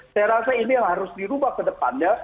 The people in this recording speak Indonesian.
saya rasa ini yang harus dirubah ke depannya